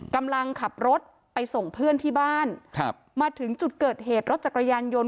กำลังขับรถไปส่งเพื่อนที่บ้านครับมาถึงจุดเกิดเหตุรถจักรยานยนต์